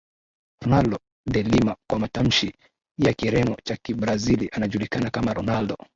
Ronaldo de Lima kwa matamshi ya Kireno cha Kibrazili anajulikana kama Ronaldo